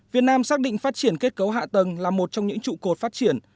việt nam xác định phát triển kết cấu hạ tầng là một trong những trụ cột phát triển